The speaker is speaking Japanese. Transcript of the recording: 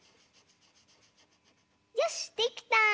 よしっできた！